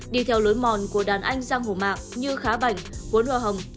đi theo lối mòn của đàn anh giang hồ mạng như khá bảnh huấn hoa hồng